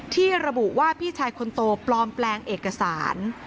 ที่ระบุว่าพี่ชายคนโตปลอมแปลงเอกสาร